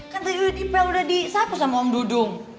kan tadi udah dipel udah disapu sama om dudung